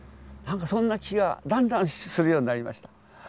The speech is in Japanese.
なんかそんな気がだんだんするようになりました。